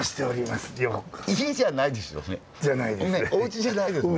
おうちじゃないですよ。